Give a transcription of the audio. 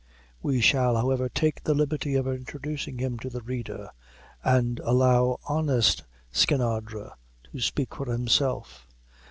We shall, however, take the liberty of introducing him to the reader, and allow honest Skinadre to speak for himself.